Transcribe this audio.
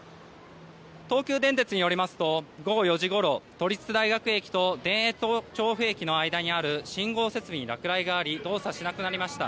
東急電鉄によりますと午後４時ごろ都立大学駅と田園調布駅の間にある信号設備に落雷があり動作しなくなくなりました。